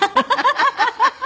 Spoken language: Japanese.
ハハハハ。